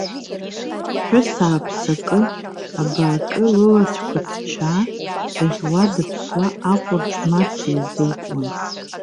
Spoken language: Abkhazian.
Ԥҳәыс ааԥсакы, абаакы, лылацәақәа ҭчаа, даӷьуадыԥсуа аҟәырџ-марџ еизылкуан.